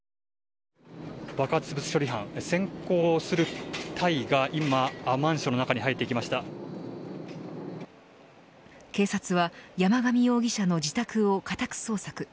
爆発物処理班先行する隊が今、マンションの中に警察は山上容疑者の自宅を家宅捜索。